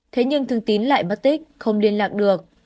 thế nhưng thương tín lại mất tích không liên lạc được